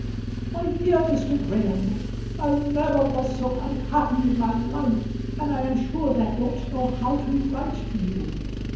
MY DEAR MR. GRAHAM, I never was so unhappy in my life, and I am sure I don't know how to write to you.